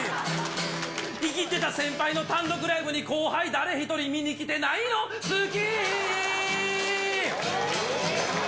いきってた先輩の単独ライブに後輩、誰一人見に来てないの、好き。